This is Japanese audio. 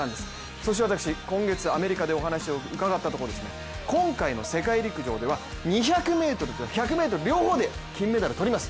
そして私、今月アメリカでお話を伺ったところ今回の世界陸上では２００ｍと１００ｍ両方で金メダルをとります